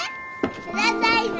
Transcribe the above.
「くださいな」